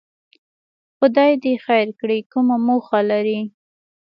خدای دې خیر کړي، کومه موخه لري؟